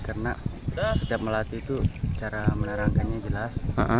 karena setiap melatih itu cara menerangkannya jelas